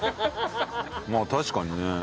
まあ確かにね。